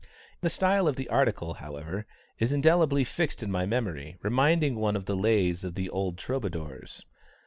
The style of the article, however, is indelibly fixed in my memory, reminding one of the Lays of the old Troubadours.